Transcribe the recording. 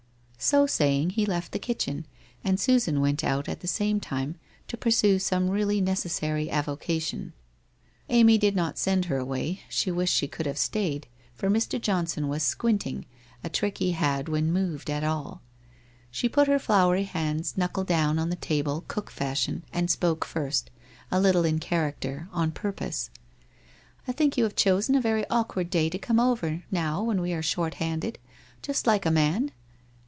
So saying, he left the kitchen, and Susan went out at the same time to pursue some really necessary avocation. WHITE ROSE OF WEARY LEAF 143 Amy did not send her away — she wished she could have stayed, for Mr. Johnson was squinting, a trick he had when moved at all. She put her floury hands knuckle down on the table, cook fashion, and spoke first, a little in character, on purpose. ' I think you have chosen a very awkward day to come over, now, when we are short handed. Just like a man